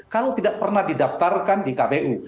kalau tidak pernah didaftarkan di kpu